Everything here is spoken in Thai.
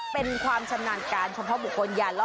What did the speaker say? เป็นความชำนาญการ